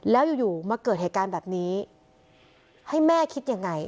แล้วอยู่มาเกิดเหตุการณ์แบบนี้ให้แม่คิดยังไง